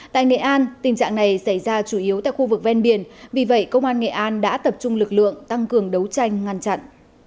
tại nghệ an tình trạng này xảy ra chủ yếu tại khu vực ven biển vì vậy công an nghệ an đã tập trung lực lượng tăng cường đấu tranh ngăn chặn